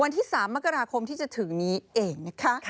วันที่๓มกราคมที่จะถึงนี้เองนะคะ